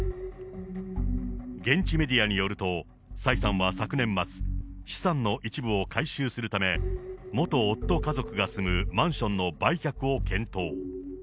現地メディアによると、蔡さんは昨年末、資産の一部を回収するため、元夫家族が住むマンションの売却を検討。